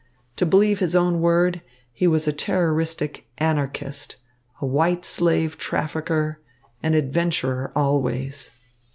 To believe his own word, he was a terroristic Anarchist, a white slave trafficker, an adventurer always.